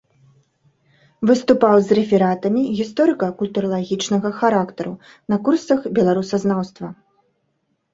Выступаў з рэфератамі гісторыка-культуралагічнага характару на курсах беларусазнаўства.